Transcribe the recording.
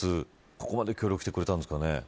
ここまで協力してくれたんですかね。